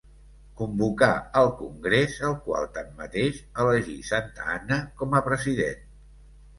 Convocà el Congrés el qual, tanmateix, elegí Santa Anna com a president.